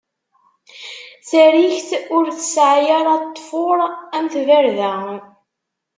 Tarikt ur tesɛa ara ṭṭfuṛ am tbarda.